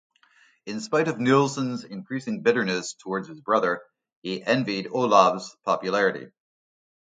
In spite of Nilsen's increasing bitterness towards his brother, he envied Olav's popularity.